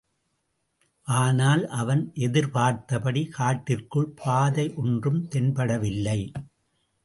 ஆனால், அவன் எதிர்பார்த்தபடி காட்டிற்குள் பாதையொன்றும் தென்படவில்லை.